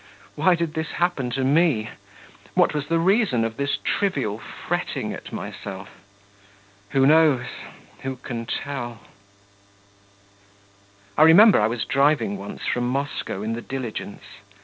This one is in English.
Why did this happen to me? what was the reason of this trivial fretting at myself? who knows? who can tell? I remember I was driving once from Moscow in the diligence.